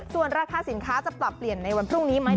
ส่วนราคาสินค้าจะปรับเปลี่ยนในวันพรุ่งนี้ไหม